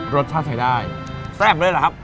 รสชาติใช้ได้แซ่บเลยเหรอครับ